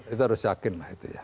itu harus yakin lah